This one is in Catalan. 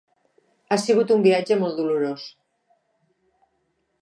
Ha sigut un viatge molt dolorós.